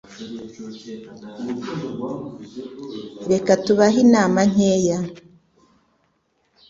Reka tubahe inama nkeya.